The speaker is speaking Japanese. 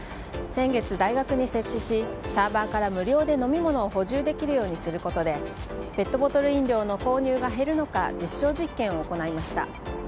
先月、大学に設置しサーバーから無料で飲み物を補充できるようにすることでペットボトル飲料の購入が減るのか実証実験を行いました。